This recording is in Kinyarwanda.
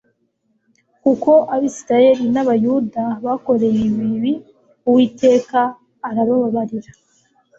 kuko abisirayeli n abayuda bakoreye ibibi uwiteka arababarira